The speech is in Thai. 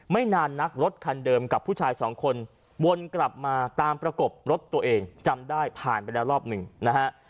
ไม่นานนักรถคันเดิมกับผู้ชายสองคนวนกลับมาตามประกบรถตัวเองจำได้ผ่านไปแล้วรอบหนึ่งนะฮะ